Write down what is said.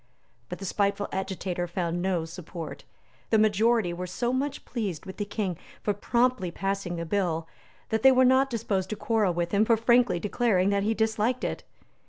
But the spiteful agitator found no support. The majority were so much pleased with the King for promptly passing the bill that they were not disposed to quarrel with him for frankly declaring that he disliked it.